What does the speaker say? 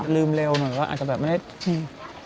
ลืมเร็วหน่อยก็อาจจะแบบนี้